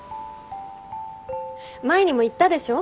前にも言ったでしょ？